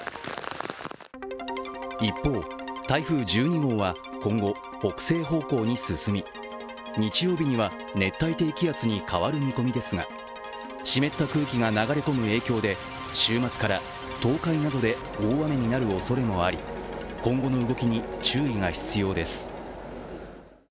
一方、台風１２号は今後、北西方向に進み、日曜日には熱帯低気圧に変わる見込みですが湿った空気が流れ込む影響で週末から東海などで大雨になるおそれもあり今後の動きに注意が必要です。